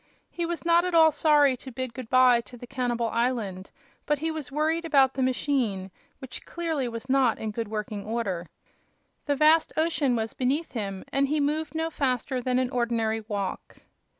He was not at all sorry to bid good by to the cannibal island, but he was worried about the machine, which clearly was not in good working order. The vast ocean was beneath him, and he moved no faster than an ordinary walk.